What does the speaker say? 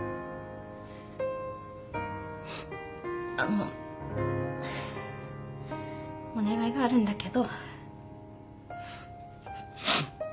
あのお願いがあるんだけど。